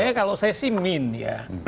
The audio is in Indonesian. ya kalau saya sih mean ya